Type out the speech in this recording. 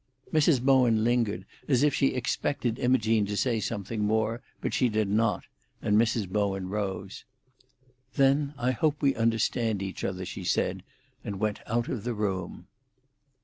Mrs. Bowen lingered, as if she expected Imogene to say something more, but she did not, and Mrs. Bowen rose. "Then I hope we understand each other," she said, and went out of the room.